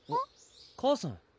母さん